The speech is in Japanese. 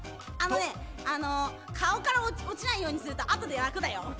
あのね顔から落ちないようにするとあとで楽だよ。